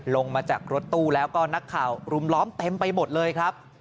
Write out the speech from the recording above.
ลงมาจากรถตู้แล้วก็นักข่าวรุมล้อมเต็มไปหมดเลยครับ